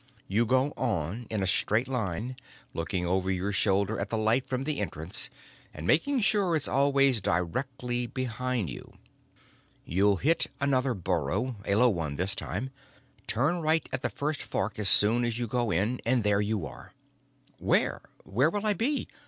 You go on in a straight line, looking over your shoulder at the light from the entrance and making sure it's always directly behind you. You'll hit another burrow, a low one this time. Turn right at the first fork as soon as you go in, and there you are." "Where? Where will I be?